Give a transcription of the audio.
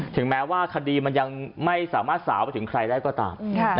ถึงแม้ว่าคดีมันยังไม่สามารถสาวไปถึงใครได้ก็ตาม